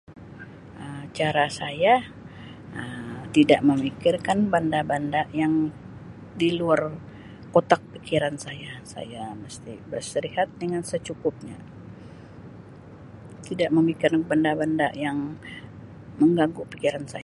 Um Cara saya Um tidak memikirkan benda-benda yang di luar kotak pikiran saya, saya mesti beristirehat dengan secukupnya, tidak memikirkan benda-benda yang mengganggu pikiran saya